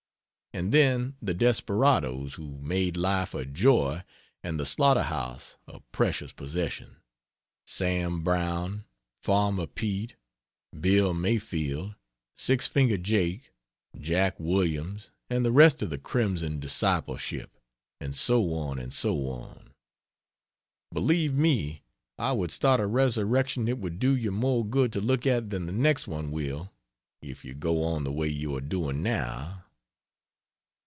and then the desperadoes, who made life a joy and the "Slaughter house" a precious possession: Sam Brown, Farmer Pete, Bill Mayfield, Six fingered Jake, Jack Williams and the rest of the crimson discipleship and so on and so on. Believe me, I would start a resurrection it would do you more good to look at than the next one will, if you go on the way you are doing now.